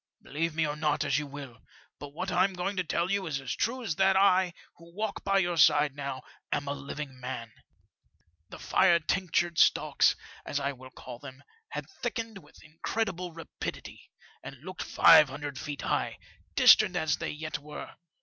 " Believe me or not as you will, but what I'm going to tell you is as true as that I, who walk by your side now, am a living man. The fire tinctured stalks, as I will call them, had thickened with incredible rapidity, and looked five hundred feet high, distant as they yet were.